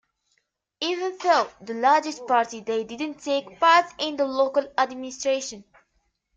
Even though the largest party they didn't take part in the local administration.